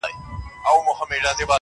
دا زما د کوچنيوالي غزل دی ~~